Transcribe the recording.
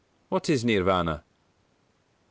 What is Nirvāna? A.